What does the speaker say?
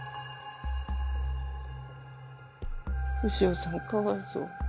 潮さんかわいそう。